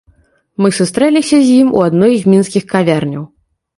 Мы сустрэліся з ім у адной з мінскіх кавярняў.